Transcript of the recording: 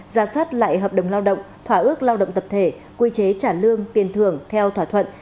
ra soát lại hợp đồng lao động thỏa ước lao động tập thể quy chế trả lương tiền thưởng theo thỏa thuận